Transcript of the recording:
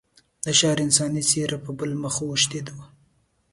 د ښار انساني څېره په بل مخ اوښتې وه.